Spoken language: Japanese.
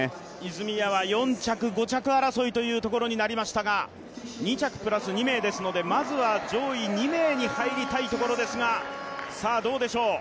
泉谷は４着、５着争いということになりましたが２着プラス２名ですので、まずは上位２名に入りたいところですが、どうでしょう。